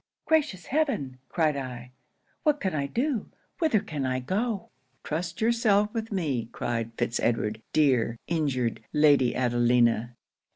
'"Gracious heaven!" cried I, "what can I do? Whither can I go!" '"Trust yourself with me," cried Fitz Edward "dear, injured Lady Adelina."